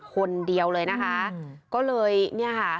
คนเดียวเลยนะคะก็เลยเนี่ยค่ะ